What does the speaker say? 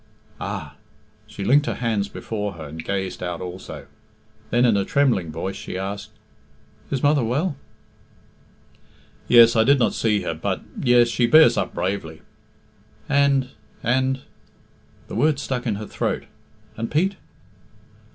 "Ah!" She linked her hands before her, and gazed out also. Then, in a trembling voice, she asked, "Is mother well?" "Yes; I did not see her, but yes, she bears up bravely." "And and " the words stuck in her throat, "and Pete?"